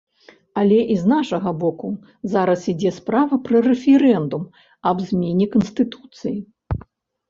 Але з іншага боку, зараз ідзе справа пра рэферэндум аб змене канстытуцыі.